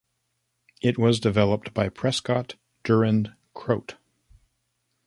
It was developed by Prescott Durand Crout.